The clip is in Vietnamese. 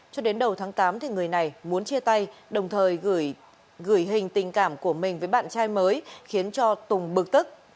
cho đến đầu tháng tám người này muốn chia tay đồng thời gửi hình tình cảm của mình với bạn trai mới khiến cho tùng bực tức